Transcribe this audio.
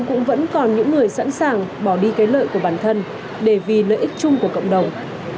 cũng vẫn còn những người sẵn sàng bỏ đi cái lợi của bản thân để vì lợi ích chung của cộng đồng